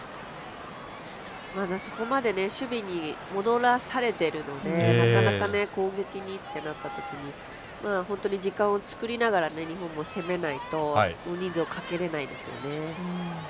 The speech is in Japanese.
そこまで守備に戻らされてるのでなかなか攻撃にってなったときに本当に時間を作りながら日本も攻めないと人数をかけられないですよね。